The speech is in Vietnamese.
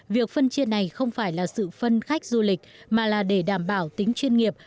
việc phân chia này không phải là sự phân khách du lịch mà là để đảm bảo tính chuyên nghiệp